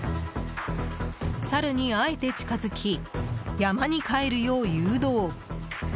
サルにあえて近づき山に帰るよう誘導。